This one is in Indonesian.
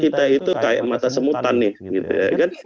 jadi maka kita itu kayak mata semutan nih gitu ya kan